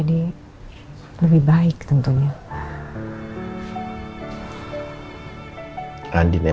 udah dong bapak